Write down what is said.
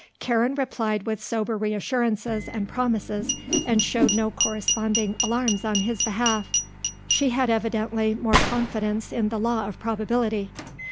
Karen replied with sober reassurances and promises and showed no corresponding alarms on his behalf. She had, evidently, more confidence in the law of probability.